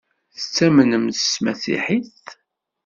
Tettamnem s tmasiḥit?